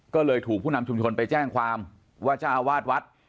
ก็เลยถูกผู้นำชุมชนไปแจ้งความว่าเจ้าอาวาสวัด